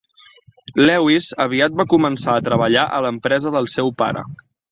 Lewis aviat va començar a treballar a l'empresa del seu pare.